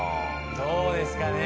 どうですかね？